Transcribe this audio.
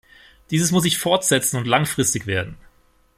Dieses muss sich fortsetzen und langfristig werden.